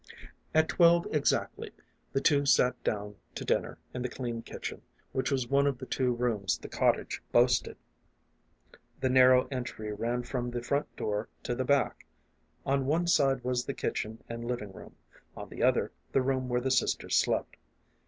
At twelve exactly the two sat down to dinner in the clean kitchen, which was one of the two rooms the cottage boasted. The narrow entry ran from the front door to the back. On one side was the kitchen and living room ; on the other, the room where the sisters slept.